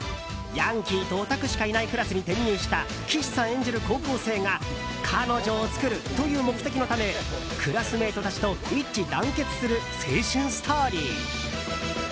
ヤンキーとオタクしかいないクラスに転入した岸さん演じる高校生が彼女を作るという目的のためクラスメートたちと一致団結する青春ストーリー。